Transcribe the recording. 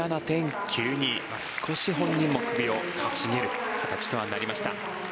少し本人も首を傾げる形とはなりました。